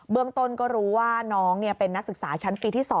เรื่องต้นก็รู้ว่าน้องเป็นนักศึกษาชั้นปีที่๒